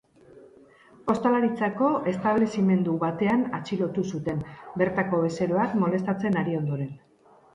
Ostalaritzako establezimendu batean atxilotu zuten, bertako bezeroak molestatzen ari ondoren.